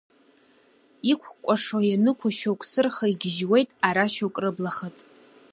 Иқәкәашо ианықәу шьоук сырха, игьежьуеит ара шьоук рыблахаҵ.